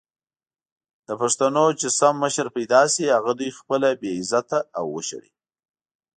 د پښتنو چې سم مشر پېدا سي هغه دوي خپله بې عزته او وشړي!